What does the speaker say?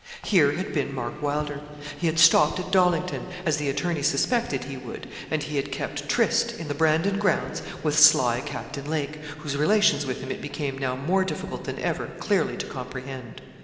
Here had been Mark Wylder. He had stopped at Dollington, as the attorney suspected he would, and he had kept tryst, in the Brandon grounds, with sly Captain Lake, whose relations with him it became now more difficult than ever clearly to comprehend.